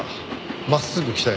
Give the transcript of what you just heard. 真っすぐ北へ。